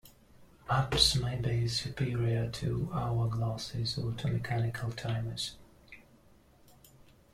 Apps may be superior to hour glasses, or to mechanical timers.